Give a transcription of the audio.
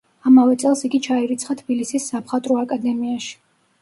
ამავე წელს იგი ჩაირიცხა თბილისის სამხატვრო აკადემიაში.